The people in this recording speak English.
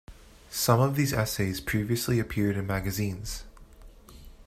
Some of these essays previously appeared in magazines.